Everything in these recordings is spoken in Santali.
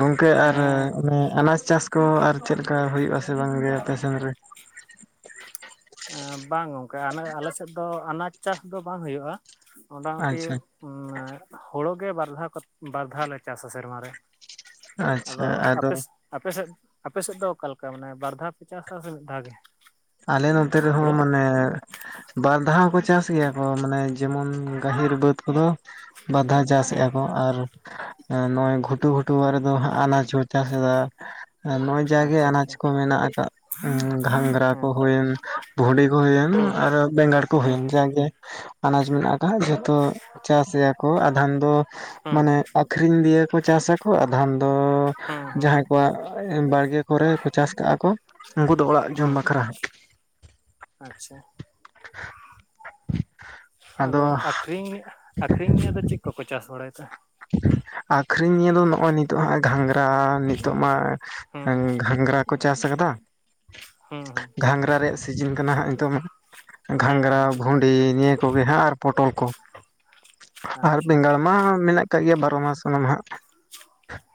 ᱜᱚᱝᱠᱮ ᱟᱨ ᱦᱮᱸ ᱚᱱᱮ ᱟᱱᱟᱡ ᱪᱟᱥ ᱠᱚ ᱟᱨ ᱪᱮᱫᱞᱮᱠᱟ ᱦᱩᱭᱩᱜᱼᱟ ᱥᱮ ᱵᱟᱝ ᱜᱮ ᱟᱯᱮ ᱥᱮᱱ ᱨᱮ? ᱵᱟᱝ ᱜᱚᱝᱠᱟᱮ ᱟᱞᱮᱥᱮᱫ ᱫᱚ ᱟᱱᱟᱡ ᱪᱟᱥ ᱫᱚ ᱵᱟᱝ ᱦᱩᱭᱩᱜᱼᱟ, ᱢᱚᱴᱟᱢᱩᱴᱤ ᱟᱪᱪᱷᱟ ᱦᱳᱲᱳ ᱜᱮ ᱵᱟᱨ ᱫᱷᱟᱣ ᱠᱚ, ᱵᱟᱨ ᱫᱷᱟᱣ ᱞᱮ ᱪᱟᱥᱟ ᱥᱮᱨᱢᱟᱨ ᱨᱮ᱾ ᱟᱫᱚ ᱟᱯᱮ ᱟᱯᱮᱥᱮᱫ ᱟᱯᱮᱥᱮᱫ ᱫᱚ ᱚᱠᱟᱞᱮᱠᱟ ᱢᱟᱱᱮ ᱵᱟᱨ ᱫᱷᱟᱣ ᱯᱮ ᱪᱟᱥᱟ ᱥᱮ ᱢᱤᱫ ᱫᱷᱟᱣ ᱜᱮ? ᱟᱞᱮ ᱱᱚᱱᱛᱮ ᱨᱮᱦᱚᱸ ᱦᱳᱲᱳ ᱢᱟᱱᱮ ᱵᱟᱨ ᱫᱷᱟᱣ ᱦᱚᱸᱠᱚ ᱪᱟᱥ ᱜᱮᱭᱟ ᱠᱚ ᱢᱟᱱᱮ ᱡᱮᱢᱚᱱ ᱜᱟᱹᱦᱤᱨ ᱵᱟᱹᱫᱽ ᱠᱚᱫᱚ ᱵᱟᱨᱫᱷᱟᱣ ᱪᱟᱥᱮᱫᱼᱟ ᱦᱮᱸ ᱠᱚ ᱟᱨ ᱱᱚᱜᱼᱚᱭ ᱜᱷᱩᱴᱩ-ᱜᱷᱩᱴᱩ ᱵᱟᱨᱮ ᱫᱚ ᱦᱟᱸᱜ ᱟᱱᱟᱡ ᱪᱟᱥ ᱮᱫᱟ ᱱᱚᱜ-ᱚᱭ ᱡᱟᱜᱮ ᱟᱪᱪᱷᱟ ᱟᱱᱟᱡᱽ ᱟᱪᱪᱷᱟ ᱠᱚ ᱢᱮᱱᱟᱜ ᱟᱠᱟᱜ ᱜᱷᱟᱸᱝᱨᱟ ᱠᱚ ᱦᱮᱸ ᱦᱩᱭᱮᱱ ᱵᱷᱩᱰᱤ ᱠᱚ ᱦᱩᱭᱮᱱ ᱦᱮᱸ ᱟᱨ ᱵᱮᱸᱜᱟᱲ ᱠᱚ ᱦᱮᱸ ᱦᱩᱭᱮᱱ ᱡᱟᱜᱮ ᱟᱱᱟᱡᱽ ᱢᱮᱱᱟᱜ ᱟᱠᱟᱜ ᱦᱟᱸᱜ ᱡᱷᱚᱛᱚ ᱪᱟᱥ ᱜᱮᱭᱟ ᱠᱚ ᱟᱫᱷᱟᱱ ᱫᱚ ᱦᱮᱸ ᱢᱟᱱᱮ ᱟᱹᱠᱷᱨᱤᱧ ᱫᱤᱭᱮ ᱠᱚ ᱪᱟᱥ ᱟᱠᱚ ᱟᱫᱷᱟᱱ ᱫᱚ ᱦᱮᱸ ᱦᱮᱸ ᱡᱟᱦᱟᱸᱭ ᱠᱚᱣᱟᱜ ᱵᱟᱲᱜᱮ ᱠᱚᱨᱮ ᱦᱚᱸ ᱠᱚ ᱪᱟᱥ ᱠᱟᱜ-ᱟ ᱠᱚ ᱩᱱᱠᱩ ᱫᱚ ᱚᱲᱟᱜ ᱡᱚᱢ ᱦᱮᱸ ᱵᱟᱠᱷᱨᱟ᱾ ᱟᱪᱪᱷᱟ᱾ ᱟᱫᱚ ᱟᱠᱷᱨᱤᱧ ᱟᱠᱷᱨᱤᱧ ᱱᱤᱭᱮ ᱫᱚ ᱪᱮᱫ ᱠᱚᱠᱚ ᱪᱟᱥ ᱵᱟᱲᱟᱭ ᱛᱮ? ᱟᱹᱠᱷᱨᱤᱧ ᱱᱤᱭᱟᱹ ᱫᱚ ᱱᱚᱜ-ᱚ ᱱᱤᱛᱳᱜ ᱦᱟᱸᱜ ᱜᱷᱟᱸᱜᱽᱨᱟ ᱱᱤᱛᱳᱜ ᱢᱟ ᱦᱮᱸ ᱜᱷᱟᱸᱜᱽᱨᱟ ᱠᱚ ᱪᱟᱥ ᱟᱠᱟᱫᱟ, ᱦᱮᱸ ᱦᱮᱸ ᱜᱷᱟᱸᱜᱽᱨᱟ ᱨᱮᱭᱟᱜ ᱥᱤᱡᱤᱱ ᱠᱟᱱᱟ ᱦᱟᱸᱜ ᱱᱤᱛᱳᱜ ᱢᱟ ᱦᱮᱸ ᱜᱷᱟᱸᱜᱽᱨᱟ, ᱦᱮᱸ ᱵᱷᱩᱰᱤ ᱱᱤᱭᱟᱹ ᱠᱚᱜᱮ ᱦᱟᱸᱜ ᱟᱨ ᱯᱚᱴᱚᱞ ᱠᱚ ᱟᱨ ᱟᱪᱪᱷᱟ ᱵᱮᱸᱜᱟᱲ ᱢᱟ ᱢᱮᱱᱟᱜ ᱟᱠᱟᱜ ᱜᱮᱭᱟ ᱵᱚᱨᱚ ᱢᱟᱥ ᱚᱱᱟ ᱢᱟᱦᱟᱸᱜ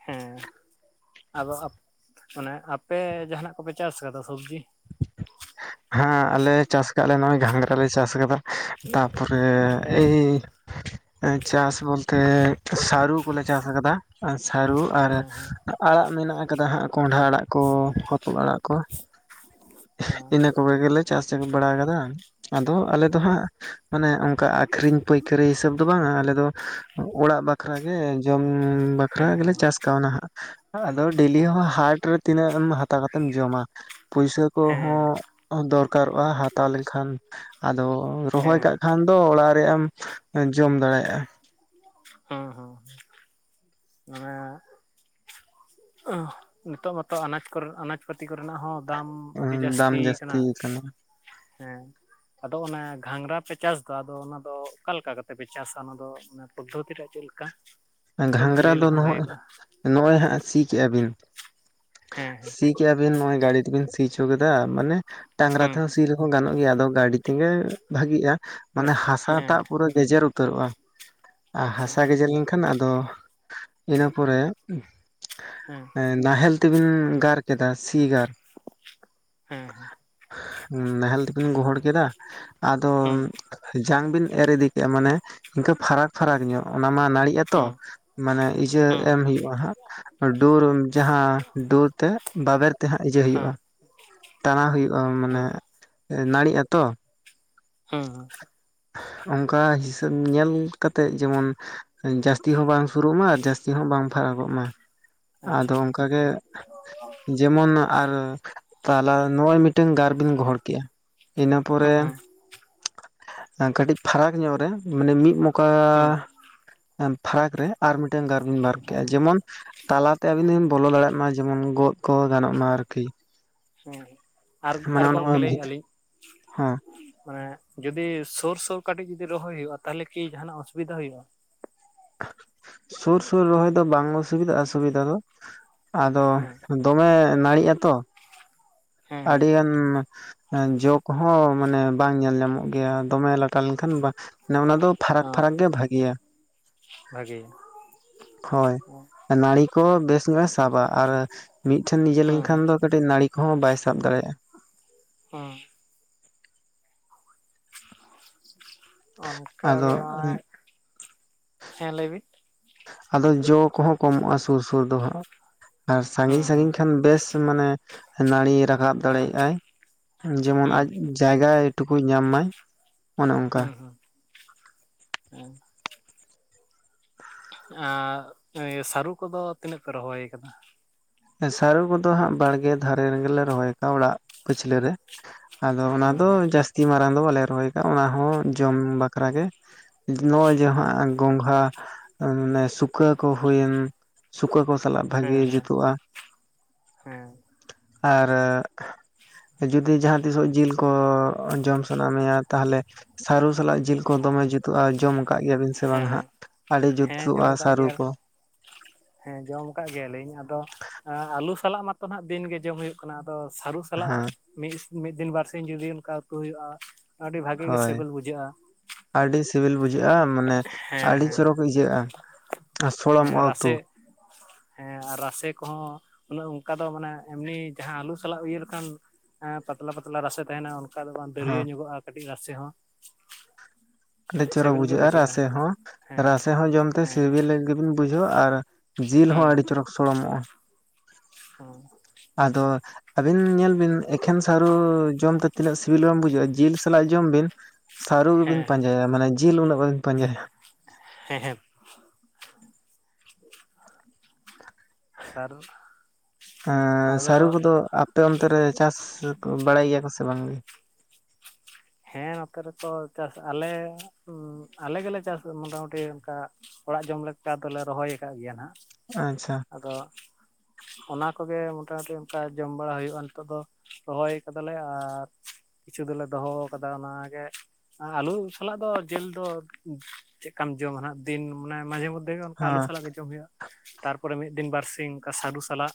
ᱦᱮᱸ ᱟᱫᱚ ᱟᱯ, ᱢᱟᱱᱮ ᱟᱯᱮ ᱡᱟᱦᱟᱸᱱᱟᱜ ᱠᱚᱯᱮ ᱪᱟᱥ ᱠᱟᱫᱟ ᱥᱚᱵᱽᱡᱤ? ᱦᱮᱸ ᱟᱞᱮ ᱪᱟᱥ ᱠᱟᱜ ᱞᱮ ᱱᱚᱜ-ᱚᱭ ᱜᱷᱟᱸᱜᱽᱨᱟ ᱞᱮ ᱪᱟᱥ ᱠᱟᱫᱟ ᱛᱟᱯᱚᱨᱮ ᱚ ᱮᱭᱻ ᱪᱟᱥ ᱵᱚᱞᱛᱮ ᱥᱟᱹᱨᱩ ᱠᱚᱞᱮ ᱪᱟᱥ ᱟᱠᱟᱫᱟ ᱥᱟᱹᱨᱩ ᱟᱨ ᱦᱮᱸ ᱦᱮᱸ ᱟᱲᱟᱜ ᱢᱮᱱᱟᱜ ᱟᱠᱟᱫᱟ ᱦᱟᱸᱜ ᱠᱚᱸᱰᱷᱟ ᱟᱲᱟᱜ ᱠᱚ ᱦᱚᱛᱚᱫ ᱟᱲᱟᱜ ᱠᱚ ᱚ ᱤᱱᱟᱹ ᱠᱚᱜᱮ ᱜᱮᱞᱮ ᱪᱟᱥ ᱵᱟᱲᱟ ᱟᱠᱟᱫᱟ, ᱟᱫᱚ ᱟᱞᱮ ᱫᱚ ᱦᱟᱸᱜ ᱢᱟᱱᱮ ᱚᱱᱠᱟ ᱟᱠᱷᱨᱤᱧ ᱯᱟᱹᱭᱠᱟᱹᱨᱤ ᱦᱤᱥᱟᱹᱵ ᱫᱚ ᱵᱟᱝᱟ ᱟᱞᱮ ᱫᱚ ᱚᱲᱟᱜ ᱵᱟᱠᱷᱨᱟᱜ ᱜᱮ ᱡᱚᱢ ᱵᱟᱠᱷ ᱠᱷᱨᱟ ᱦᱮᱸ ᱜᱮᱞᱮ ᱦᱮᱸ ᱪᱟᱥ ᱠᱟᱣᱱᱟ ᱦᱟᱸᱜ ᱟᱫᱚ ᱚ ᱰᱮᱞᱤ ᱦᱚᱸ ᱦᱟᱴ ᱨᱮ ᱛᱤᱱᱟᱹᱜ ᱮᱢ ᱦᱟᱛᱟᱣ ᱠᱟᱛᱮᱢ ᱡᱚᱢᱟ ᱯᱩᱭᱥᱟᱹ ᱦᱮᱸ ᱠᱚᱦᱚᱸ ᱫᱚᱨᱠᱟᱨᱚᱜ-ᱟ ᱦᱟᱛᱟᱣ ᱞᱮᱱᱠᱷᱟᱱ ᱟᱫᱚ ᱨᱚᱦᱚᱭ ᱦᱮᱸ ᱠᱟᱜ ᱠᱷᱟᱱ ᱫᱚ ᱚᱲᱟᱜ ᱨᱮᱭᱟᱜ ᱮᱢ ᱡᱚᱢ ᱫᱟᱲᱮᱭᱟᱜ-ᱟ᱾ ᱦᱚᱸ ᱦᱚᱸ ᱦᱮᱸ ᱱᱤᱛᱚᱜ ᱢᱟᱛᱚ ᱟᱱᱟᱡ ᱠᱚᱨᱮ ᱟᱱᱟᱡ ᱯᱟᱹᱛᱤ ᱠᱚᱨᱮᱱᱟᱜ ᱦᱚᱸ ᱫᱟᱢ ᱟᱹᱰᱤ ᱡᱟᱹᱥᱛᱤ ᱟᱠᱟᱱᱟ᱾ ᱦᱮᱸ ᱟᱫᱚ ᱚᱱᱟ ᱜᱷᱟᱸᱜᱽᱨᱟ ᱯᱮ ᱪᱟᱥ ᱮᱫᱟ ᱟᱫᱚ ᱚᱱᱟ ᱫᱚ ᱚᱠᱟ ᱞᱮᱠᱟ ᱠᱟᱛᱮ ᱯᱮ ᱪᱟᱥᱟ ᱚᱱᱟ ᱫᱚ ᱚᱱᱟ ᱯᱚᱫᱽᱫᱷᱚᱛᱤ ᱨᱮᱭᱟᱜ ᱪᱮᱫ ᱞᱮᱠᱟ? ᱠᱟᱹᱴᱤᱡ ᱵᱤᱱ ᱜᱷᱟᱸᱝᱜᱽᱨᱟ ᱞᱟᱹᱭ ᱫᱚ ᱞᱮᱠᱷᱟᱱ ᱵᱷᱟᱜᱮ ᱱᱚ-ᱚᱭ ᱠᱚᱜᱼᱟ ᱱᱚᱜ-ᱚᱭ ᱦᱟᱸᱜ ᱥᱤ ᱠᱮᱜ-ᱟ ᱵᱤᱱ ᱦᱮᱸ ᱥᱤ ᱠᱤᱭᱟ ᱟᱵᱤᱱ ᱱᱚᱜ-ᱚᱭ ᱜᱟᱰᱤ ᱛᱮᱵᱤᱱ ᱥᱤ ᱚᱪᱚ ᱠᱮᱫᱟ ᱢᱟᱱᱮ ᱰᱟᱝᱽᱨᱟ ᱦᱮᱸ ᱛᱮᱦᱚᱸ ᱥᱤ ᱞᱮᱦᱚᱸ ᱜᱟᱱᱚᱜ ᱜᱮᱭᱟ ᱟᱫᱚ ᱜᱟᱰᱤ ᱛᱚᱜᱮ ᱵᱷᱟᱹᱜᱤᱜ-ᱟ ᱦᱩᱸ ᱢᱟᱱᱮ ᱦᱟᱥᱟ ᱦᱮᱸ ᱴᱟᱜ ᱯᱩᱨᱟᱹ ᱜᱮᱡᱮᱨ ᱩᱛᱟᱹᱨᱚᱜ-ᱟ, ᱟᱨ ᱟᱪᱪᱷᱟ ᱦᱟᱥᱟ ᱜᱮᱡᱮᱨ ᱞᱮᱱᱠᱷᱟᱱ ᱟᱫᱚ ᱤᱱᱟᱹ ᱯᱚᱨᱮ ᱦᱮᱸ ᱮ ᱱᱟᱦᱮᱞ ᱛᱮᱵᱤᱱ ᱜᱟᱨ ᱠᱮᱫᱟ ᱥᱤ ᱜᱟᱨ ᱦᱮᱸ ᱦᱮᱸ ᱱᱟᱦᱮᱞ ᱛᱮᱵᱤᱱ ᱜᱚᱦᱚᱲ ᱠᱮᱫᱟ ᱟᱫᱚ ᱦᱩᱸ ᱡᱟᱝ ᱵᱤᱱ ᱮᱨ ᱤᱫᱤ ᱠᱮᱜ-ᱟ ᱢᱟᱱᱮ ᱤᱱᱠᱟᱹ ᱯᱷᱟᱨᱟᱠ ᱯᱷᱟᱨᱟᱠ ᱧᱚᱜ ᱚᱱᱟ ᱢᱟ ᱱᱟᱹᱲᱤᱜ ᱟᱛᱚ ᱦᱩᱸ ᱢᱟᱱᱮ ᱤᱭᱟᱹ ᱦᱩᱸ ᱮᱢ ᱦᱩᱭᱳᱜ ᱠᱚ ᱦᱟᱸᱜ ᱰᱩᱨ ᱡᱟᱦᱟᱸ ᱰᱩᱨ ᱛᱮ ᱵᱟᱵᱮᱨ ᱛᱮ ᱦᱟᱸᱜ ᱤᱭᱟᱹ ᱦᱮᱸ ᱦᱩᱭᱩᱜ-ᱟ᱾ ᱛᱟᱱᱟ ᱦᱩᱭᱩᱜ-ᱟ ᱢᱟᱱᱮ ᱦᱮᱸ ᱱᱟᱲᱤᱜ ᱟᱛᱚ᱾ ᱦᱮᱸ ᱦᱮᱸ ᱚᱱᱠᱟ ᱦᱤᱥᱟᱹᱵ ᱧᱮᱞ ᱠᱟᱛᱮᱫ ᱡᱮᱢᱚᱱ ᱡᱟᱹᱥᱛᱤ ᱦᱚᱸ ᱵᱟᱝ ᱥᱩᱨᱩᱜ ᱢᱟ ᱟᱨ ᱡᱟᱹᱥᱛᱤ ᱦᱚᱸ ᱵᱟᱝ ᱯᱷᱟᱨᱟᱠᱚᱜ ᱢᱟ, ᱟᱫᱚ ᱟᱪᱪᱷᱟ ᱚᱱᱠᱟᱜᱮ ᱡᱮᱢᱚᱱ ᱟᱨ ᱛᱟᱞᱟ ᱱᱚᱜ-ᱚᱭ ᱢᱤᱫᱴᱟᱝ ᱜᱟᱨ ᱵᱤᱱ ᱜᱚᱦᱚᱲ ᱠᱮᱜ-ᱟ ᱤᱱᱟᱹ ᱯᱚᱨᱮ ᱦᱩᱸ ᱟ ᱠᱟᱹᱴᱤᱡ ᱯᱷᱟᱨᱟᱠ ᱧᱚᱜ ᱨᱮ ᱢᱟᱱᱮ ᱢᱤᱫ ᱢᱚᱠᱟ ᱦᱩᱸ ᱦᱩᱸ ᱯᱷᱟᱨᱟᱠ ᱨᱮ ᱟᱨ ᱢᱤᱜᱴᱟᱝ ᱜᱟᱨᱵᱧ ᱵᱟᱨ ᱦᱮᱸ ᱠᱮᱜᱼᱟ ᱡᱮᱢᱚᱱ ᱛᱟᱞᱟᱛᱮ ᱟᱵᱤ ᱫᱚ ᱵᱤᱱ ᱵᱚᱞᱚ ᱫᱟᱲᱮᱭᱟᱜ ᱢᱟ ᱡᱮᱢᱚᱱ ᱜᱚᱫ ᱠᱚ ᱜᱟᱱᱚᱜ ᱢᱟ ᱟᱨᱠᱤ᱾ ᱦᱮᱸ ᱦᱮᱸᱟᱨ ᱟᱨ ᱜᱚᱝᱠᱮ ᱞᱟᱹᱭᱮᱜᱼᱟ ᱞᱤᱧ ᱦᱮᱸ᱾ ᱢᱟᱱᱮ ᱡᱩᱫᱤ ᱥᱳᱩᱨ ᱥᱳᱩᱨ ᱠᱟᱹᱴᱤᱡ ᱡᱩᱫᱤ ᱨᱚᱦᱚᱭ ᱦᱩᱭᱩᱜᱼᱟ᱾ ᱛᱟᱦᱚᱞᱮ ᱠᱤ ᱡᱟᱦᱟᱱᱟᱜ ᱚᱥᱩᱵᱤᱫᱟ ᱦᱩᱭᱩᱜᱼᱟ᱾ ᱥᱩᱨ ᱥᱩᱨ ᱨᱚᱦᱚᱭ ᱫᱚ ᱵᱟᱝ ᱚᱥᱩᱵᱤᱫᱟᱜ ᱚᱥᱩᱵᱤᱫᱟ ᱫᱚ ᱟᱫᱚ ᱦᱮᱸ ᱫᱚᱢᱮ ᱱᱟᱹᱲᱤᱜᱼᱟ ᱛᱚ᱾ ᱦᱮᱸ ᱦᱮᱸ ᱟᱹᱰᱤ ᱜᱟᱱ ᱡᱚᱜ ᱠᱚᱦᱚᱸ ᱢᱟᱱᱮ ᱵᱟᱝ ᱧᱮᱞ ᱧᱟᱢᱚᱜ ᱜᱮᱭᱟ ᱫᱚᱢᱮ ᱞᱟᱴᱟ ᱞᱮᱱᱠᱷᱟᱱ ᱢᱟᱱᱮ ᱚᱱᱟ ᱫᱚ ᱯᱷᱟᱨᱟᱠ ᱯᱷᱟᱨᱟᱠ ᱜᱮ ᱵᱷᱟᱜᱮᱤᱭᱟ᱾ ᱵᱷᱟᱜᱮ᱾ ᱦᱳᱭ ᱱᱟᱹᱲᱤ ᱠᱚ ᱵᱮᱥ ᱧᱚᱜᱮ ᱥᱟᱵᱟᱼᱟ᱾ ᱟᱨ ᱢᱤᱷᱴᱷᱮᱱ ᱱᱤᱡᱮ ᱦᱮᱸ ᱦᱮᱸ ᱞᱮᱱᱠᱷᱟᱱ ᱫᱚᱤᱡ ᱱᱟᱹᱲᱤ ᱠᱚᱦᱚᱸ ᱵᱟᱭ ᱥᱟᱵ ᱫᱟᱲᱮᱭᱟᱜᱼᱟ᱾ ᱦᱮᱸ᱾ ᱟᱫᱚ ᱚᱱᱠᱟᱜᱮ [unintelligible] ᱦᱮᱸ ᱞᱟᱹᱭ ᱵᱤᱱ ᱟᱫᱚ ᱡᱚ ᱠᱚᱦᱚᱸ ᱠᱚᱢᱚᱜᱼᱟ᱾ ᱥᱩᱨ ᱥᱩᱨ ᱫᱚ ᱦᱟᱸᱜ, ᱟᱨ ᱥᱟᱺᱜᱤᱧ ᱦᱮᱸ ᱦᱮᱸ ᱥᱟᱺᱜᱤᱧ ᱠᱷᱟᱱ ᱵᱮᱥ ᱢᱟᱱᱮ ᱱᱟᱹᱲᱤ ᱨᱟᱠᱟᱵ ᱦᱮᱸ ᱫᱟᱲᱮᱭᱟᱜ ᱟᱭ ᱡᱮᱢᱚᱱ ᱦᱩᱸ ᱟᱡ ᱡᱟᱭᱜᱟ ᱴᱩᱠᱩᱡ ᱧᱟᱢ ᱢᱟᱭ ᱚᱱᱮ ᱚᱝᱠᱟ᱾ ᱦᱩᱸ ᱦᱩᱸ ᱦᱮᱸ᱾ ᱟᱻ ᱥᱟᱹᱨᱩ ᱠᱚᱫᱚ ᱛᱤᱱᱟᱹᱜ ᱯᱮ ᱨᱚᱦᱚᱭ ᱠᱟᱫᱟ᱾ ᱥᱟᱹᱨᱩ ᱠᱚᱫᱚ ᱦᱟᱸᱜ ᱵᱟᱲᱜᱮ ᱫᱷᱟᱨᱮ ᱠᱟᱜ ᱚᱲᱟᱜ ᱯᱟᱹᱪᱷᱞᱟᱹ ᱨᱮ ᱟᱫᱚ ᱚᱱᱟ ᱦᱩᱸ ᱫᱚ ᱦᱩᱸ ᱡᱟᱹᱥᱛᱤ ᱢᱟᱨᱟᱝ ᱫᱚ ᱵᱟᱞᱮ ᱨᱚᱦᱚᱭ ᱠᱟᱜᱼᱟ᱾ ᱚᱱᱟ ᱦᱚᱸ ᱡᱚᱢ ᱵᱟᱠᱷᱨᱟ ᱜᱮ᱾ ᱱᱚᱜᱼᱚᱭ ᱦᱮᱸ ᱡᱮᱦᱟᱜ ᱜᱚᱝᱜᱷᱟ ᱥᱩᱠᱟᱹ ᱠᱚ ᱦᱩᱭᱮᱱ ᱥᱩᱠᱟᱹ ᱠᱚ ᱥᱟᱞᱟᱜ ᱵᱷᱟᱜᱤ ᱦᱮᱸ ᱦᱮᱸ ᱡᱩᱛᱩᱜᱼᱟ᱾ ᱦᱮᱸ᱾ ᱟᱨ ᱡᱩᱫᱤ ᱡᱟᱦᱟᱸ ᱛᱤᱥᱚᱜ ᱡᱤᱞ ᱠᱚ ᱡᱚᱢ ᱥᱟᱱᱟ ᱢᱮᱭᱟ ᱛᱟᱦᱚᱞᱮ ᱥᱟᱨᱩ ᱥᱟᱞᱟᱜ ᱡᱤᱞᱠᱚ ᱫᱚᱢᱮ ᱡᱩᱛᱩᱜᱼᱟ᱾ ᱡᱚᱢ ᱠᱟᱜ ᱜᱮᱭᱟᱵᱤᱱ ᱥᱮ ᱵᱟᱝ ᱦᱮᱸ ᱦᱟᱸᱜ᱾ ᱟᱹᱰᱤ ᱦᱮᱸ ᱡᱩᱛᱩᱜᱼᱟ᱾ ᱡᱚᱢ ᱟᱠᱟᱫ ᱥᱟᱹᱨᱩ ᱜᱮᱭᱟ ᱠᱚ᱾ ᱦᱮᱸ ᱡᱚᱢ ᱠᱟᱜ ᱜᱮᱭᱟᱞᱤᱧ ᱟᱫᱚ ᱟᱹᱞᱩ ᱥᱟᱞᱟᱜ ᱢᱟᱛᱚ ᱦᱟᱜ ᱫᱤᱱᱜᱮ ᱡᱚᱢ ᱦᱩᱭᱩᱜ ᱠᱟᱱᱟ᱾ ᱟᱫᱚ ᱥᱟᱹᱨᱩ ᱥᱟᱞᱟᱜ ᱦᱮᱸ ᱢᱤᱥ ᱢᱤᱫᱤᱱ ᱵᱟᱨ ᱥᱤᱧ ᱡᱩᱫᱤ ᱚᱱᱠᱟ ᱩᱛᱩ ᱦᱩᱭᱩᱜᱼᱟ᱾ ᱟᱹᱰᱤ ᱵᱷᱟᱹᱜᱤ ᱜᱮ ᱦᱳᱭ ᱥᱮᱵᱤᱞ ᱵᱩᱡᱷᱟᱹᱜᱼᱟ᱾ ᱟᱹᱰᱤ ᱥᱤᱵᱤᱞ ᱵᱩᱡᱷᱟᱹᱜᱼᱟ᱾ ᱢᱟᱱᱮ ᱦᱮᱸ ᱟᱹᱰᱤ ᱦᱮᱸ ᱪᱚᱨᱚᱠ ᱤᱭᱟᱹᱜᱼᱟ ᱟᱨ ᱦᱮᱸ ᱥᱚᱲᱚᱢᱚᱜᱼᱟ᱾ ᱩᱛᱩ᱾ ᱨᱟᱥᱮ [inaudible] ᱦᱮᱸ ᱟᱨ ᱨᱟᱥᱮ ᱠᱚᱦᱚᱸ ᱩᱱᱟᱜ ᱚᱝᱠᱟ ᱫᱚ ᱢᱟᱱᱮ ᱮᱢᱱᱤ ᱡᱟᱦᱟᱸ ᱟᱹᱞᱩ ᱥᱟᱞᱟᱜ ᱤᱭᱟᱹ ᱞᱮᱠᱷᱟᱱ ᱦᱮᱸ ᱯᱟᱛᱞᱟ ᱯᱟᱛᱞᱟ ᱨᱟᱥᱮ ᱛᱟᱦᱮᱱᱟ ᱚᱱᱠᱟ ᱫᱚ ᱵᱟᱝ ᱫᱟᱹᱨᱭᱟᱹ ᱦᱮᱸ ᱧᱚᱜᱚᱜᱼᱟ᱾ ᱠᱟᱹᱴᱤᱡ ᱨᱟᱥᱮ ᱦᱚᱸ᱾ ᱟᱹᱰᱤ ᱪᱚᱨᱚᱠ ᱥᱤᱵᱤᱞ ᱜᱮ ᱵᱩᱡᱷᱟᱹᱜᱼᱟ᱾ ᱨᱟᱥᱮ ᱦᱚᱸ ᱦᱮᱸ ᱨᱟᱥᱮ ᱦᱚᱸ ᱡᱚᱢᱛᱮ ᱦᱮᱸ ᱥᱤᱵᱤᱞ᱾ [unintelligible] ᱵᱩᱡᱷᱟᱹᱣ ᱟᱨ ᱡᱤᱞ ᱦᱚᱸ ᱦᱩᱸ ᱟᱹᱰᱤ ᱪᱚᱨᱚᱠ ᱥᱚᱲᱚᱢᱚᱜᱼᱟ᱾ ᱦᱩᱸ᱾ ᱟᱫᱚ ᱟᱹᱵᱤᱱ ᱧᱮᱞ ᱵᱤᱱ ᱮᱠᱷᱮᱱ ᱥᱟᱨᱩ ᱡᱚᱢᱛᱮ ᱛᱤᱱᱟᱹᱜ ᱥᱤᱵᱤᱞ ᱵᱟᱝ ᱵᱩᱡᱷᱟᱹᱜᱼᱟ᱾ ᱡᱤᱞ ᱥᱟᱞᱟᱜ ᱡᱚᱢ ᱵᱤᱱ ᱥᱟᱹᱨᱩ ᱜᱮᱵᱤᱱ ᱦᱮᱸ ᱦᱮᱸ ᱯᱟᱱᱡᱟᱭᱟ ᱢᱟᱱᱮ ᱡᱤᱞ ᱩᱱᱟᱹᱜ ᱵᱟᱹᱵᱤᱱ ᱯᱟᱸᱡᱟᱭᱟ᱾ ᱦᱮᱸ ᱦᱮᱸ᱾ ᱟᱨ ᱮᱻᱥᱟᱹᱨᱩ ᱟᱫᱚ ᱠᱚᱫᱚ ᱟᱯ ᱟᱯᱮ ᱚᱱᱛᱮ ᱨᱮ ᱪᱟᱥ ᱵᱟᱲᱟᱭ ᱜᱮᱭᱟ ᱠᱚ ᱥᱮ ᱵᱟᱝᱜᱮ! ᱦᱮᱸ ᱱᱚᱛᱮ ᱨᱮᱛᱚ ᱪᱟᱥ ᱟᱞᱮ ᱩᱸᱸ ᱟᱞᱮ ᱜᱮᱞᱮ ᱪᱟᱥ ᱢᱚᱴᱟᱢᱩᱴᱤ ᱚᱱᱠᱟ ᱚᱲᱟᱜ ᱡᱚᱢ ᱞᱮᱠᱟ ᱫᱚᱞᱮ ᱨᱚᱦᱚᱭ ᱟᱠᱟᱫ ᱜᱮᱭᱟ ᱱᱟᱜ᱾ ᱟᱪᱪᱷᱟ, ᱟᱫᱚ ᱚᱱᱟ ᱠᱚᱜᱮ ᱢᱚᱴᱟᱢᱩᱴᱤ ᱚᱱᱠᱟ ᱡᱚᱢ ᱵᱟᱲᱟ ᱦᱩᱭᱩᱜ-ᱟ ᱱᱤᱛᱚᱜ ᱫᱚ᱾ ᱨᱚᱦᱚᱭ ᱠᱟᱫᱟᱞᱮ ᱟᱨ ᱠᱤᱪᱷᱩ ᱫᱚᱞᱮ ᱫᱚᱦᱚ ᱠᱟᱫᱟ ᱚᱱᱟ ᱜᱮ᱾ ᱟᱞᱩ ᱥᱟᱞᱟᱜ ᱫᱚ ᱡᱮᱹᱞ ᱫᱚ ᱪᱮᱫ ᱠᱟᱢ ᱡᱚᱢᱟ ᱱᱟᱦᱟᱜ ᱫᱤᱱ ᱢᱟᱱᱮ ᱢᱟᱡᱷᱮ ᱢᱚᱫᱽ- ᱫᱷᱮ ᱜᱮ ᱚᱱᱠᱟ ᱟᱹᱞᱩ ᱦᱮᱸ ᱥᱟᱞᱟᱜ ᱜᱮ ᱡᱚᱢ ᱦᱩᱭᱩᱜ-ᱟ᱾ ᱛᱟᱨᱯᱚᱨᱮ ᱢᱤᱫ ᱫᱤᱱ ᱵᱟᱨᱥᱤ ᱚᱱᱠᱟ ᱥᱟᱹᱨᱩ ᱥᱟᱞᱟᱜ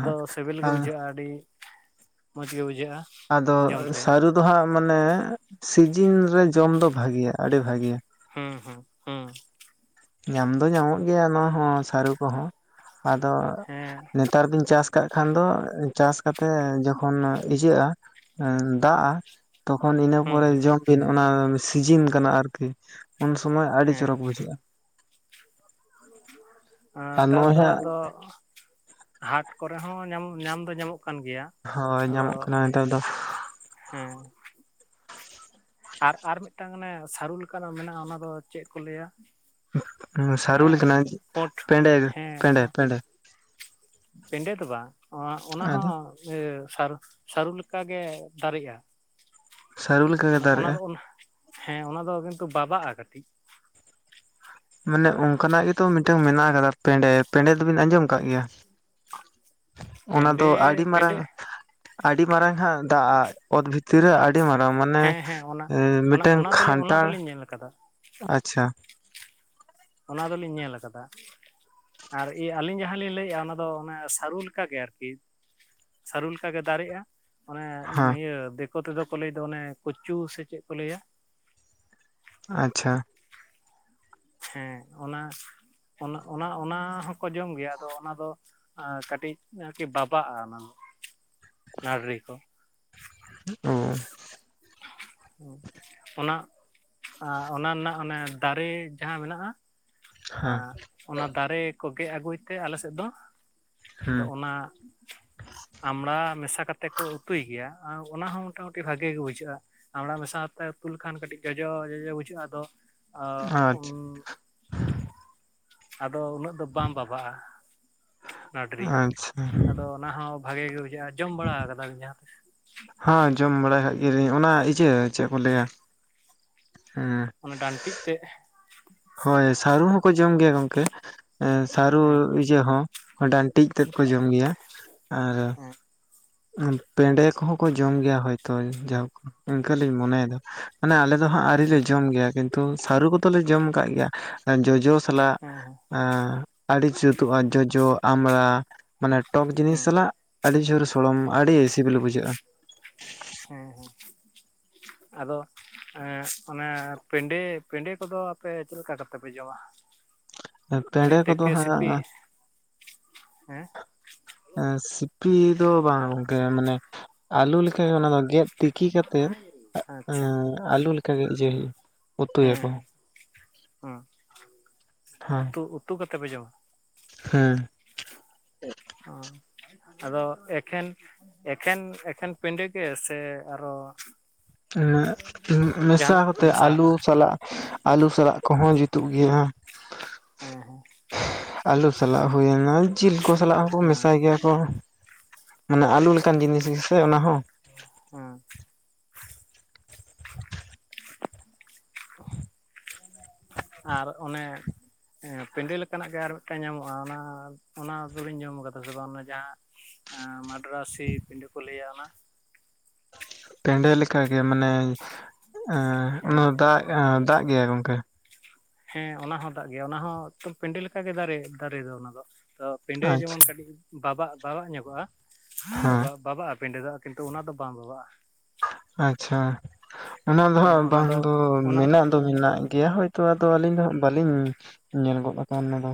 ᱟᱫᱚ ᱥᱮᱹᱵᱮᱹᱞ ᱜᱮ ᱦᱮᱸ ᱵᱩᱡᱷᱟᱹᱜ-ᱟ ᱟᱹᱰᱤ ᱢᱚᱡᱽ ᱜᱮ ᱵᱩᱡᱷᱟᱹᱜ-ᱟ᱾ ᱟᱫᱚ ᱥᱟᱹᱨᱩ ᱫᱚ ᱦᱟᱸᱜ ᱢᱟᱱᱮ ᱥᱤᱡᱤᱱ ᱨᱮ ᱡᱚᱢ ᱫᱚ ᱵᱷᱟᱹᱜᱤᱭᱟ ᱟᱹᱰᱤ ᱵᱷᱟᱹᱜᱤᱭᱟ᱾ ᱦᱮᱸ ᱦᱮᱸ ᱦᱩᱸ ᱧᱟᱢ ᱫᱚ ᱧᱟᱢᱚᱜ ᱜᱮᱭᱟ ᱱᱚᱣᱟ ᱦᱚᱸ ᱥᱟᱹᱨᱩ ᱠᱚᱦᱚᱸ᱾ ᱟᱫᱚ ᱦᱮᱸ, ᱱᱮᱛᱟᱨ ᱫᱤᱱ ᱪᱟᱥ ᱠᱟᱜ ᱠᱷᱟᱱ ᱫᱚ ᱪᱟᱥ ᱠᱟᱛᱮᱜ ᱡᱚᱠᱷᱚᱱ ᱤᱭᱟᱹᱜ-ᱟ ᱫᱟ-ᱟᱜ ᱛᱚᱠᱷᱚᱱ ᱤᱱᱟᱹ ᱦᱩᱸ ᱯᱚᱨᱮ ᱦᱩᱸ ᱡᱚᱢ ᱵᱤᱱ ᱚᱱᱟ ᱥᱤᱡᱤᱱ ᱠᱟᱱᱟ ᱟᱨᱠᱤ᱾ ᱩᱱ ᱥᱩᱚᱢᱚᱭ ᱟᱹᱰᱤ ᱪᱚᱨᱚᱠ ᱵᱩᱡᱷᱟᱹᱜ-ᱟ᱾ ᱮᱸ ᱟᱨ ᱱᱮᱛᱟᱨ ᱱᱚᱜᱼᱚᱭ ᱫᱚ ᱦᱟᱸᱜ ᱟᱫᱚ ᱦᱟᱴ ᱠᱚᱨᱮ ᱦᱚᱸ ᱧᱟᱢ ᱧᱟᱢ ᱫᱚ ᱧᱟᱢᱚᱜ ᱠᱟᱱ ᱜᱮᱭᱟ᱾ ᱦᱳᱭ ᱟᱫᱚ ᱧᱟᱢᱚᱜ ᱠᱟᱱᱟ ᱱᱮᱛᱟᱨ ᱫᱚ᱾ ᱦᱮᱸ, ᱟᱨ ᱟᱨ ᱢᱤᱫᱴᱟᱝ ᱚᱱᱮ ᱥᱟᱹᱨᱩ ᱞᱮᱠᱟ ᱱᱟᱜ ᱢᱮᱱᱟᱜ-ᱟ ᱚᱱᱟ ᱫᱚ ᱪᱮᱫ ᱠᱚ ᱞᱟᱹᱭᱟ? ᱥᱟᱹᱨᱩ ᱚᱱᱮ ᱞᱮᱠᱟ ᱱᱟᱜ ᱯᱳᱸᱴ ᱯᱮᱸᱰᱮ ᱦᱮᱸ ᱯᱮᱸᱰᱮ ᱯᱮᱸᱰᱮ᱾ ᱯᱮᱸᱰᱮ ᱫᱚ ᱵᱟᱝ ᱚᱸ ᱚᱱᱟ ᱦᱚᱸ ᱟᱫᱚ ᱥᱟᱨᱚ ᱥᱟᱹᱨᱩ ᱞᱮᱠᱟ ᱜᱮ ᱫᱟᱨᱮᱜ-ᱟ᱾ ᱥᱟᱹᱨᱩ ᱞᱮᱠᱟ ᱜᱮ ᱚᱱᱟ ᱚᱱᱟ ᱫᱟᱨᱮᱜᱼᱟ ᱫᱚ ᱚᱱᱟ ᱦᱮᱸ ᱚᱱᱟ ᱫᱚ ᱠᱤᱱᱛᱩ ᱵᱟᱵᱟᱜ-ᱟ ᱠᱟᱹᱴᱤᱡ᱾ ᱢᱟᱱᱮ ᱚᱱᱠᱟ ᱱᱟᱜ ᱜᱮᱛᱚ ᱢᱤᱫᱴᱟᱝ ᱢᱮᱱᱟᱜ ᱟᱠᱟᱫᱟ ᱯᱮᱸᱰᱮ, ᱯᱮᱸᱰᱮ ᱫᱚᱵᱤᱱ ᱟᱸᱡᱚᱢ ᱠᱟᱫ ᱜᱮᱭᱟ? ᱚᱱᱟ ᱫᱚ ᱯᱮᱸᱰᱮ ᱟᱹᱰᱤ ᱯᱮᱸᱰᱮ ᱢᱟᱨᱟᱝ ᱟᱹᱰᱤ ᱢᱟᱨᱟᱝ ᱦᱟᱸᱜ ᱫᱟ-ᱟ ᱚᱛ ᱵᱷᱤᱛᱤᱨ ᱨᱮ ᱟᱹᱰᱤ ᱟᱹᱰᱤ ᱢᱟᱨᱟᱝ ᱢᱟᱱᱮ ᱦᱮᱸ ᱦᱮᱸ ᱚᱱᱟ ᱚᱱᱟ ᱢᱤᱫᱴᱮᱱ ᱚᱱᱟ ᱫᱚᱞᱮ ᱚᱱᱟ ᱠᱷᱟᱸᱱᱴᱟᱲ᱾ ᱫᱚᱞᱤᱧ ᱧᱮᱞ ᱟᱠᱟᱫᱟ ᱟᱪᱪᱷᱟ, ᱚᱱᱟ ᱫᱚᱞᱤᱧ ᱧᱮᱞ ᱠᱟᱫᱟ᱾ ᱟᱨ ᱟᱹᱞᱤᱧ ᱡᱟᱦᱟᱸ ᱞᱤᱧ ᱞᱟᱹᱭ ᱮᱫ-ᱟ ᱚᱱᱟ ᱫᱚ ᱚᱱᱮ ᱥᱟᱹᱨᱩ ᱞᱮᱠᱟ ᱜᱮ ᱟᱨᱠᱤ᱾ ᱥᱟᱹᱨᱩ ᱞᱮᱠᱟ ᱜᱮ ᱫᱟᱨᱮᱜ-ᱟ᱾ ᱚᱱᱮ ᱦᱮᱸ ᱱᱤᱭᱟᱹ ᱫᱤᱠᱳ ᱛᱮᱫᱚ ᱠᱚ ᱞᱟᱹᱭ ᱫᱚ ᱚᱱᱮ ᱠᱚᱪᱩ ᱥᱮ ᱪᱮᱫ ᱠᱚ ᱞᱟᱹᱭᱟ? ᱟᱪᱪᱷᱟ, ᱦᱮᱸ ᱚᱱᱟ ᱚᱱᱟ ᱚᱱᱟ ᱦᱚᱸ ᱠᱚ ᱡᱚᱢ ᱜᱮᱭᱟ ᱟᱫᱚ ᱚᱱᱟ ᱫᱚ ᱟᱨ ᱠᱟᱹᱴᱤᱡ ᱟᱨᱠᱤ ᱵᱟᱵᱟᱜ-ᱟ ᱚᱱᱟ ᱫᱚ, ᱱᱟᱰᱨᱤ ᱠᱚ᱾ ᱩᱸ ᱚᱱᱟ ᱚᱱᱟ ᱨᱮᱱᱟᱜ ᱚᱱᱮ ᱫᱟᱨᱮ ᱡᱟᱦᱟᱸ ᱢᱮᱱᱟᱜ-ᱟ᱾ ᱦᱮᱸ ᱚᱱᱟ ᱫᱟᱨᱮ ᱠᱚ ᱜᱮᱜ ᱟᱹᱜᱩᱭ ᱛᱮ ᱟᱞᱮ ᱥᱮᱫ ᱫᱚ ᱟᱫᱚ ᱦᱩᱸ ᱚᱱᱟ ᱟᱢᱲᱟ ᱢᱮᱥᱟ ᱠᱟᱛᱮ ᱠᱚ ᱩᱛᱩᱭ ᱜᱮᱭᱟ, ᱚᱱᱟ ᱦᱚᱸ ᱢᱚᱴᱟᱢᱩᱴᱤ ᱵᱷᱟᱜᱮ ᱜᱮ ᱵᱩᱡᱷᱟᱹᱜ-ᱟ᱾ ᱟᱢᱲᱟ ᱢᱮᱥᱟᱛᱮ ᱩᱛᱩ ᱞᱮᱠᱷᱟᱱ ᱠᱟᱹᱴᱤᱡ ᱡᱚᱡᱚ ᱡᱚᱡᱚ ᱵᱩᱡᱷᱟᱹᱜ-ᱟ ᱟᱫᱚ ᱟ ᱩᱸ᱾ ᱟᱪᱪᱷᱟ ᱟᱫᱚ ᱩᱱᱟᱹᱜ ᱫᱚ ᱵᱟᱝ ᱵᱟᱵᱟ-ᱟᱜ᱾ ᱱᱟᱹᱰᱨᱤ ᱟᱪᱪᱷᱟ ᱟᱫᱚ ᱚᱱᱟ ᱦᱚᱸ ᱵᱷᱟᱜᱤ ᱜᱮ ᱵᱩᱡᱷᱟᱹᱜ-ᱟ ᱡᱚᱢ ᱵᱟᱲᱟ ᱠᱟᱫᱟ ᱵᱤᱱ ᱡᱟᱦᱟᱸ ᱛᱤᱥ ᱦᱟᱸ ᱡᱚᱢ ᱵᱟᱲᱟ ᱠᱟᱜ ᱜᱮᱞᱤᱧ ᱚᱱᱟ ᱤᱭᱟᱹ ᱪᱮᱫ ᱠᱚ ᱞᱟᱹᱭᱟ ᱦᱮᱸ ᱚᱱᱟ ᱰᱟᱹᱱᱴᱤᱜ ᱛᱮᱜ᱾ ᱦᱳᱭ ᱥᱟᱹᱨᱩ ᱦᱚᱸᱠᱚ ᱡᱚᱢ ᱜᱮᱭᱟ ᱜᱚᱝᱠᱮ, ᱥᱟᱹᱨᱩ ᱦᱮᱸ ᱤᱭᱟᱹ ᱦᱚᱸ ᱚᱱᱟ ᱰᱟᱱᱴᱤᱡ ᱛᱮᱫ ᱠᱚ ᱡᱚᱢ ᱜᱮᱭᱟ ᱟᱨ ᱦᱮᱸ ᱯᱮᱰᱮ ᱠᱚᱦᱚᱸ ᱠᱚ ᱡᱚᱢ ᱜᱮᱭᱟ ᱦᱳᱭ ᱛᱚ ᱡᱟᱭᱦᱳᱠ ᱤᱱᱠᱟᱹ ᱞᱤᱧ ᱢᱚᱱᱮᱭᱮᱫᱟ᱾ ᱢᱟᱱᱮ ᱟᱞᱮ ᱫᱚ ᱦᱟᱸᱜ ᱟᱹᱨᱤᱞᱮ ᱦᱮᱸ ᱡᱚᱢ ᱜᱮᱭᱟ ᱠᱤᱱᱛᱩ ᱥᱟᱹᱨᱩ ᱠᱚᱫᱚᱞᱮ ᱡᱚᱢ ᱠᱟᱜ ᱜᱮᱭᱟ᱾ ᱡᱚᱡᱚ ᱥᱟᱞᱟᱜ ᱦᱮᱸ ᱦᱮᱸ ᱮ ᱟᱹᱰᱤ ᱡᱩᱛᱩᱜ-ᱟ ᱡᱚᱡᱚ, ᱟᱢᱲᱟ, ᱢᱟᱱᱮ ᱴᱚᱠ ᱡᱤᱱᱤᱥ ᱦᱮᱸ ᱥᱟᱞᱟᱜ ᱟᱹᱰᱤ ᱡᱳᱨ ᱥᱚᱲᱚᱢ ᱟᱹᱰᱤ ᱥᱤᱵᱤᱞ ᱵᱩᱡᱷᱟᱹᱜᱼᱟ ᱦᱮᱸ ᱦᱮᱸ ᱟᱫᱚ ᱮᱸ ᱚᱱᱮ ᱯᱮᱰᱮ ᱯᱮᱰᱮ ᱠᱚᱫᱚ ᱟᱯᱮ ᱪᱮᱫ ᱞᱮᱠᱟ ᱠᱟᱛᱮᱫ ᱯᱮ ᱡᱚᱢᱟ? ᱮᱢᱱᱤ ᱯᱮᱸᱲᱮ ᱠᱚᱫᱚ ᱛᱮᱠᱮ ᱦᱟᱸᱜ ᱥᱤᱯᱤ ᱦᱮᱸ? ᱮᱸ ᱥᱤᱯᱤ ᱫᱚ ᱵᱟᱝ ᱜᱚᱝᱠᱮ ᱢᱟᱱᱮ ᱟᱞᱩ ᱞᱮᱠᱟ ᱜᱮ ᱚᱱᱟ ᱫᱚ ᱜᱮᱫ ᱛᱤᱠᱤ ᱠᱟᱛᱮᱫ ᱟᱪᱪᱷᱟ ᱟᱞᱩ ᱞᱮᱠᱟᱜᱮ ᱡᱮᱞ ᱩᱛᱩᱭᱟᱠᱚ᱾ ᱦᱚᱸ ᱦᱮᱸ ᱛᱚ ᱩᱛᱩ ᱠᱟᱛᱮ ᱯᱮ ᱡᱚᱢᱟ᱾ ᱦᱮᱸ, ᱦᱚᱸ, ᱟᱫᱚ ᱮᱠᱷᱮᱱ ᱮᱠᱷᱮᱱ ᱮᱠᱷᱮᱱ ᱯᱮᱸᱰᱮ ᱜᱮ ᱥᱮ ᱟᱨᱚ ᱮᱸ ᱢᱮᱥᱟ ᱡᱟᱦᱟᱱᱟᱜ ᱠᱚᱯᱮ ᱠᱟᱛᱮᱜ ᱟᱞᱩ ᱢᱮᱥᱟᱣᱟᱜᱼᱟ ᱥᱟᱞᱟᱜ ᱟᱞᱩ ᱥᱟᱞᱟᱜ ᱠᱚᱦᱚᱸ ᱡᱩᱛᱩᱜ ᱜᱮᱭᱟ᱾ ᱦᱮᱸ ᱦᱮᱸ᱾ ᱟᱹᱞᱩ ᱥᱟᱞᱟᱜ ᱦᱩᱭ ᱮᱱᱟ ᱡᱤᱞ ᱠᱚ ᱥᱟᱞᱟᱜ ᱦᱚᱸᱠᱚ ᱦᱮᱸ ᱢᱮᱥᱟᱭ ᱜᱮᱭᱟ ᱠᱚ᱾ ᱢᱟᱱᱮ ᱟᱞᱩ ᱞᱮᱠᱟᱱ ᱡᱤᱱᱤᱥ ᱜᱮᱥᱮ ᱚᱱᱟ ᱦᱚᱸ, ᱦᱩᱸ, ᱟᱨ ᱚᱱᱮ ᱦᱮᱸ ᱯᱮᱸᱰᱮ ᱞᱮᱠᱟᱱᱟᱜ ᱜᱮ ᱟᱨ ᱢᱤᱫᱴᱟᱝ ᱧᱟᱢᱚᱜ-ᱟ ᱚᱱᱟ ᱚᱱᱟ ᱫᱚᱵᱤᱱ ᱡᱚᱢ ᱠᱟᱫᱟ ᱥᱮ ᱵᱟᱝ ᱚᱱᱟ ᱡᱟᱦᱟᱸ ᱢᱟᱫᱽᱨᱟᱥᱤ ᱯᱮᱸᱰᱮ ᱠᱚ ᱞᱟᱹᱭᱟ ᱚᱱᱟ ᱯᱮᱸᱰᱮ ᱞᱮᱠᱟᱜᱮ ᱢᱟᱱᱮ ᱦᱮᱸ ᱚᱱᱟ ᱫᱟᱜ ᱫᱟᱜ ᱜᱮᱭᱟ ᱜᱚᱝᱠᱮ᱾ ᱦᱮᱸ ᱚᱱᱟ ᱦᱚᱸ ᱫᱟᱜ ᱜᱮᱭᱟ ᱚᱱᱟ ᱦᱚᱸ ᱮᱠᱫᱚᱢ ᱯᱮᱸᱰᱮ ᱞᱮᱠᱟᱜᱮ ᱫᱟᱨᱮ ᱫᱟᱨᱮ ᱫᱚ ᱚᱱᱟ ᱫᱚ ᱛᱚ ᱯᱮᱸᱰᱮ ᱡᱮᱢᱚᱱ ᱟᱪᱪᱷᱟ ᱠᱟᱹᱴᱤᱡ ᱵᱟᱵᱟ ᱵᱟᱵᱟᱜ ᱧᱚᱜᱚᱜᱼᱟ ᱦᱮᱸ ᱵᱟᱵᱟᱜᱼᱟ ᱯᱮᱸᱰᱮ ᱫᱚ ᱠᱤᱱᱛᱩ ᱚᱱᱟ ᱫᱚ ᱵᱟᱝ ᱵᱟᱵᱟᱜ-ᱟ᱾ ᱟᱪᱪᱷᱟ, ᱚᱱᱟ ᱫᱚ ᱦᱮᱸ ᱦᱟᱸᱜ ᱚᱱᱟ ᱵᱟᱝ ᱫᱚ ᱚᱱᱟ ᱢᱮᱱᱟᱜ ᱫᱚ ᱢᱮᱱᱟᱜ ᱜᱮᱭᱟ ᱦᱳᱭᱛᱚ ᱟᱫᱚ ᱟᱹᱞᱤᱧ ᱫᱚ ᱦᱟᱸᱜ ᱵᱟᱹᱞᱤᱧ ᱧᱮᱞ ᱜᱚᱫ ᱟᱠᱟᱫ ᱚᱱᱟ ᱫᱚ᱾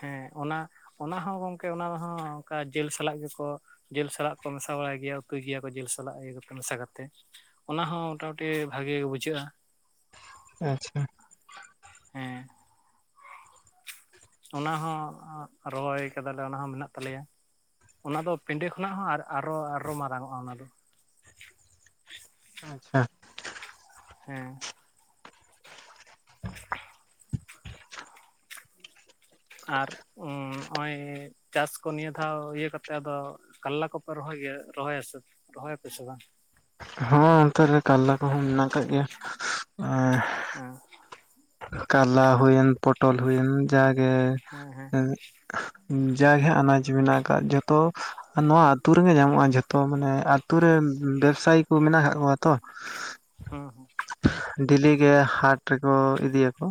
ᱦᱮᱸ ᱚᱱᱟ ᱚᱱᱟ ᱦᱚᱸ ᱜᱚᱢᱠᱮ ᱚᱱᱟ ᱦᱚᱸ ᱚᱱᱠᱟ ᱡᱤᱞ ᱥᱟᱞᱟᱜ ᱜᱮᱠᱚ ᱡᱤᱞ ᱥᱟᱞᱟᱜ ᱠᱚ ᱢᱮᱥᱟ ᱵᱟᱲᱟᱭ ᱜᱮᱭᱟ ᱩᱛᱩᱭ ᱜᱮᱭᱟ ᱠᱚ ᱡᱤᱞ ᱥᱟᱞᱟᱜ ᱤᱭᱟᱹ ᱠᱟᱛᱮ ᱢᱮᱥᱟ ᱠᱟᱛᱮ᱾ ᱚᱱᱟᱦᱚᱸ ᱢᱳᱴᱟᱢᱩᱴᱤ ᱵᱷᱟᱜᱮ ᱜᱮ ᱵᱩᱡᱷᱟᱹᱜᱼᱟ᱾ ᱟᱪᱪᱷᱟ᱾ ᱦᱮᱸ, ᱚᱱᱟ ᱦᱚᱸ ᱨᱚᱦᱚᱭ ᱠᱟᱫᱟᱞᱮ ᱚᱱᱟ ᱦᱚᱸ ᱢᱮᱱᱟᱜ ᱛᱟᱞᱮᱭᱟ᱾ ᱚᱱᱟ ᱫᱚ ᱯᱮᱸᱰᱮ ᱠᱷᱚᱱᱟᱜ ᱦᱚᱸ ᱟᱨ ᱟᱨᱚ ᱟᱨᱚ ᱢᱟᱨᱟᱝᱚᱜᱼᱟ ᱚᱱᱟ ᱫᱚ᱾ ᱟᱪᱪᱷᱟ, ᱦᱮᱸ, ᱟᱨ ᱩᱸ ᱱᱚᱜ-ᱚᱭ ᱪᱟᱥ ᱠᱚ ᱱᱤᱭᱟᱹ ᱫᱷᱟᱣ ᱤᱭᱟᱹ ᱠᱟᱛᱮᱜ ᱟᱫᱚ ᱠᱟᱞᱞᱟ ᱠᱚᱯᱮ ᱨᱚᱦᱚᱭ ᱜᱮᱭᱟ ᱨᱚᱦᱚᱭ ᱟᱥᱮ ᱨᱚᱦᱚᱭᱟᱯᱮ ᱥᱮ ᱵᱟᱝ? ᱦᱚᱸ ᱚᱱᱛᱮ ᱨᱮ ᱠᱟᱨᱞᱟ ᱠᱚᱦᱚᱸ ᱢᱮᱱᱟᱜ ᱠᱟᱜ ᱜᱮᱭᱟ ᱮᱸ ᱦᱮᱸ, ᱠᱟᱞᱞᱟ ᱦᱩᱭᱮᱱ ᱯᱚᱴᱚᱞ ᱦᱩᱭᱮᱱ ᱡᱟᱜᱮ ᱦᱮᱸ ᱦᱮᱸ ᱮᱸᱜ ᱡᱟᱜᱮ ᱦᱟᱸᱜ ᱟᱱᱟᱡᱽ ᱢᱮᱱᱟᱜ ᱟᱠᱟᱫ ᱡᱚᱛᱚ ᱱᱚᱣᱟ ᱟᱹᱛᱩ ᱨᱮᱜᱮ ᱧᱟᱢᱚᱜ-ᱟ ᱡᱷᱚ ᱛᱚ ᱢᱟᱱᱮ ᱟᱹᱛᱩ ᱨᱮ ᱵᱮᱵᱽᱥᱟᱭᱤ ᱠᱚ ᱢᱮᱱᱟᱜ ᱠᱟᱜ ᱠᱚᱣᱟ ᱛᱚ, ᱦᱮᱸ ᱦᱮᱸ, ᱰᱮᱞᱤ ᱜᱮ ᱦᱟᱴ ᱨᱮᱠᱚ ᱤᱫᱤᱭᱟᱠᱚ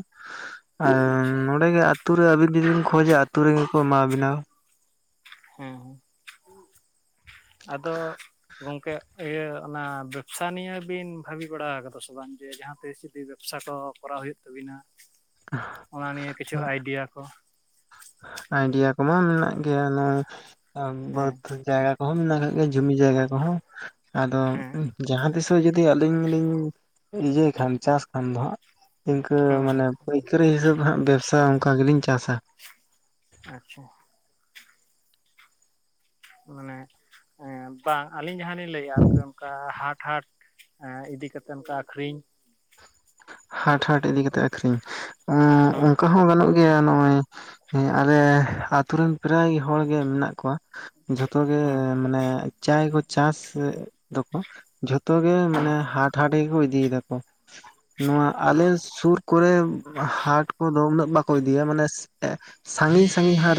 ᱟᱨ ᱟᱪᱪᱷᱟ ᱱᱚᱰᱮ ᱜᱮ ᱟᱹᱛᱩ ᱨᱮ ᱟᱵᱤᱱ ᱡᱩᱫᱤ ᱵᱤᱱ ᱠᱷᱚᱡᱟ ᱟᱹᱛᱩ ᱨᱮᱜᱮ ᱠᱚ ᱮᱢᱟᱣ ᱵᱤᱱᱟ᱾ ᱦᱮᱸ ᱟᱫᱚ ᱜᱚᱝᱠᱮ ᱤᱭᱟᱹ ᱚᱱᱟ ᱵᱮᱵᱽᱥᱟ ᱱᱤᱭᱟᱹ ᱵᱤᱱ ᱵᱷᱟᱹᱵᱤ ᱵᱟᱲᱟ ᱠᱟᱫᱟ ᱥᱮ ᱵᱟᱝ ᱡᱮ ᱡᱟᱦᱟᱸ ᱛᱤᱥ ᱡᱩᱫᱤ ᱵᱮᱵᱽᱥᱟ ᱠᱚ᱾ ᱠᱚᱨᱟᱣ ᱦᱩᱭᱩᱜ ᱛᱟᱵᱤᱱᱟ᱾ ᱚᱱᱟ ᱱᱤᱭᱟᱹ ᱠᱤᱪᱷᱩ ᱟᱭᱰᱤᱭᱟ ᱠᱚ, ᱟᱭᱰᱤᱭᱟ ᱠᱚᱢᱟ ᱢᱮᱱᱟᱜ ᱜᱮᱭᱟ ᱚᱱᱮ ᱟᱸ ᱦᱮᱸ ᱵᱟᱹᱫᱽ ᱡᱟᱜᱟ ᱠᱚᱦᱚᱸ ᱢᱮᱱᱟᱜ ᱟᱠᱟᱫ ᱜᱮᱭᱟ ᱡᱩᱢᱤ ᱡᱟᱭᱜᱟ ᱠᱚᱦᱚᱸ ᱟᱫᱚ ᱦᱮᱸ ᱡᱟᱦᱟᱸ ᱛᱤᱥᱚᱜ ᱡᱩᱫᱤ ᱟᱹᱞᱤᱧ ᱞᱤᱧ ᱤᱭᱟᱹᱭ ᱠᱷᱟᱱ ᱪᱟᱥ ᱠᱷᱟᱱ ᱫᱚ ᱦᱟᱸᱜ, ᱤᱱᱠᱟᱹ ᱦᱮᱸ ᱦᱮᱸ ᱢᱟᱱᱮ ᱯᱟᱹᱭᱠᱟᱹᱨᱤ ᱦᱤᱥᱟᱹᱵᱽ ᱦᱟᱸᱜ ᱵᱮᱵᱽᱥᱟ ᱚᱱᱠᱟ ᱜᱮᱞᱤᱧ ᱪᱟᱥᱟ᱾ ᱟᱪᱪᱷᱟ᱾ ᱢᱟᱱᱮ ᱵᱟᱝ ᱟᱹᱞᱤᱧ ᱡᱟᱦᱟᱸ ᱞᱤᱧ ᱞᱟᱹᱭᱮᱫ-ᱟ ᱟᱨᱠᱤ ᱚᱱᱠᱟ ᱦᱟᱴ ᱦᱟᱴ, ᱮᱸ ᱤᱫᱤ ᱠᱟᱛᱮᱫ ᱚᱱᱠᱟ ᱟᱠᱷᱨᱤᱧ᱾ ᱦᱟᱴ ᱦᱟᱴ ᱤᱫᱤ ᱠᱟᱛᱮᱜ ᱟᱹᱠᱷᱨᱤᱧ ᱮᱸᱜ ᱦᱩᱸ ᱚᱝᱠᱟ ᱦᱚᱸ ᱜᱟᱱᱚᱜ ᱜᱮᱭᱟ ᱱᱚᱜ-ᱚᱭ, ᱦᱮᱸ ᱟᱞᱮ ᱟᱛᱩ ᱨᱮᱱ ᱯᱨᱟᱭ ᱦᱚᱲ ᱜᱮ ᱢᱮᱱᱟᱜ ᱠᱚᱣᱟ᱾ ᱡᱷᱚᱛᱚ ᱜᱮ ᱦᱩᱸ ᱢᱟᱱᱮ ᱪᱟᱭ ᱠᱚ ᱪᱟᱥ ᱫᱚᱠᱚ ᱡᱷᱚᱛᱚ ᱜᱮ ᱦᱩᱸ ᱢᱟᱱᱮ ᱦᱟᱴ ᱦᱟᱴ ᱜᱮᱠᱚ ᱤᱫᱤᱭ ᱫᱟᱠᱚ᱾ ᱱᱚᱣᱟ ᱟᱞᱮ ᱟᱪᱪᱷᱟ ᱥᱩᱨ ᱠᱚᱨᱮ ᱦᱟᱴ ᱠᱚᱫᱚ ᱩᱱᱟᱹᱜ ᱵᱟᱠᱚ ᱤᱫᱤᱭᱟ ᱢᱟᱱᱮ ᱮ ᱥᱟᱺᱜᱤᱧ ᱥᱟᱺᱜᱤᱧ ᱦᱟᱴ